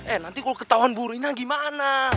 eh nanti kalo ketauan buru ini gimana